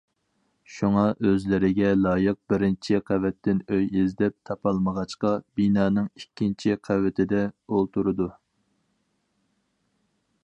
شۇڭا، ئۆزلىرىگە لايىق بىرىنچى قەۋەتتىن ئۆي ئىزدەپ تاپالمىغاچقا، بىنانىڭ ئىككىنچى قەۋىتىدە ئولتۇرىدۇ.